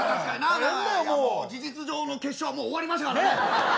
事実上の決勝はもう終わりました。